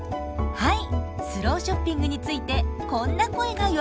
はい。